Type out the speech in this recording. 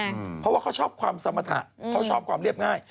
เพราะว่าเขาชอบความสมรรถะเขาชอบความเรียบง่าย